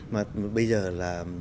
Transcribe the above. mà bây giờ là